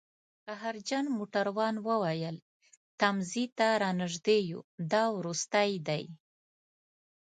قهرجن موټروان وویل: تمځي ته رانژدي یوو، دا وروستی دی